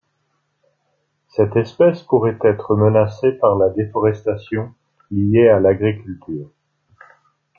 Cette espèce pourrait être menacée par la déforestation liée à l'agriculture.